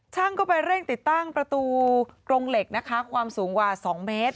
ช่างก็ไปเร่งติดตั้งประตูกรงเหล็กนะคะความสูงกว่า๒เมตร